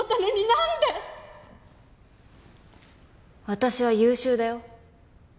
私は優秀だよ。